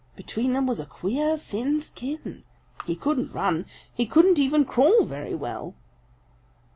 Between them was a queer thin skin. He couldn't run. He couldn't even crawl very well.